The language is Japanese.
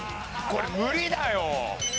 これ無理だよ！